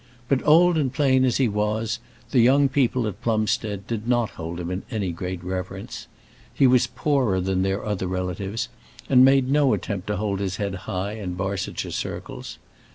But, old and plain as he was, the young people at Plumstead did not hold him in any great reverence. He was poorer than their other relatives, and made no attempt to hold his head high in Barsetshire circles.